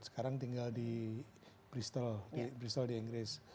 sekarang tinggal di bristal di inggris